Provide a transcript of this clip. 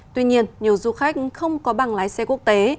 tuy nhiên nhiều du khách không có bằng lái xe quốc tế